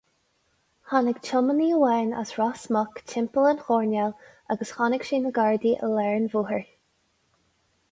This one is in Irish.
Tháinig tiománaí amháin as Ros Muc timpeall an choirnéil agus chonaic sé na Gardaí i lár an bhóthair.